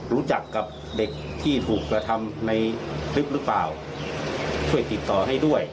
รู้จักกับเด็กที่ถูกกระทำในคลิปหรือเปล่าช่วยติดต่อให้ด้วย